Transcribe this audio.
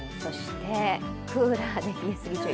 クーラーで冷えすぎ注意。